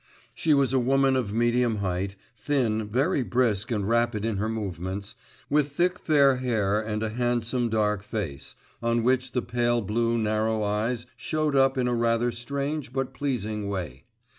She was a woman of medium height, thin, very brisk and rapid in her movements, with thick fair hair and a handsome dark face, on which the pale blue narrow eyes showed up in a rather strange but pleasing way.